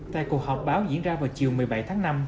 tại cuộc họp báo diễn ra vào chiều một mươi bảy tháng năm